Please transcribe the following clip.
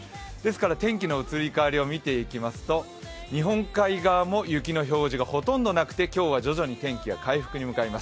天気の移り変わりを見ていきますと日本海側は天気の移り変わりはほとんどなくて今日は徐々に天気は回復に向かいます。